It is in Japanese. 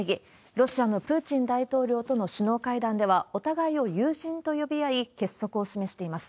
ロシアのプーチン大統領との首脳会談では、お互いを友人と呼び合い、結束を示しています。